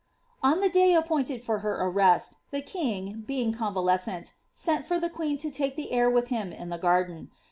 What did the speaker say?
On the day appointed for her arrest, the king, being convalesceiit, sent for the queen to take the air with him in the garden.